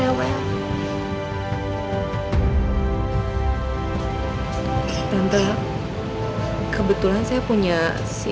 kasian jadi arsila jadi suka rewel